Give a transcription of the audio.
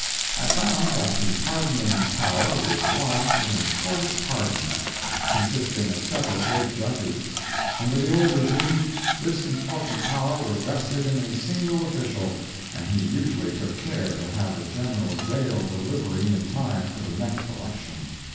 I found that the pardoning power was lodged in a court of pardons, consisting of several great judges. Under the old regime, this important power was vested in a single official, and he usually took care to have a general jail delivery in time for the next election.